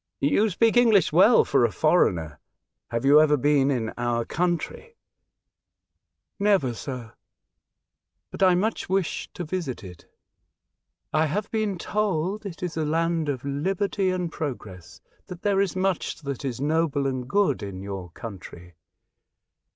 "You speak English well for a foreigner. Have you ever been in our country ?"'' Never, sir, but I much wish to visit it. I have been told it is a land of liberty and progress, that there is much that is noble and good in your country.